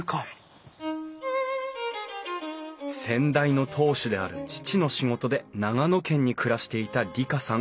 先代の当主である父の仕事で長野県に暮らしていた里香さん